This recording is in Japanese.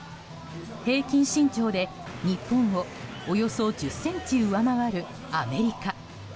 平均身長で日本をおよそ１０ｃｍ上回るアメリカ。